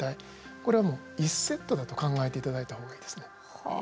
これはもう１セットだと考えていただいた方がいいですね。